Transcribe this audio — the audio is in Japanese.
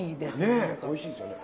ねえおいしいですよね。